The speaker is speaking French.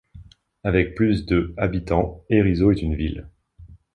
Avec plus de habitants, Herisau est une ville.